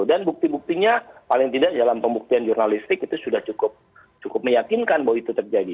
dan bukti buktinya paling tidak dalam pembuktian jurnalistik itu sudah cukup meyakinkan bahwa itu terjadi